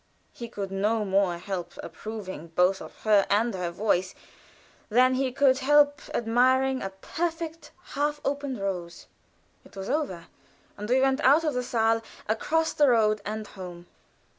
He could no more help approving both of her and her voice than he could help admiring a perfect, half opened rose. It was over, and we went out of the saal, across the road, and home.